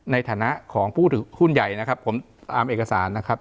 ในฐานะของผู้ถือหุ้นใหญ่นะครับผมตามเอกสารนะครับ